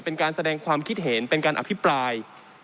เป็นการแสดงความคิดเห็นเป็นการอภิปราย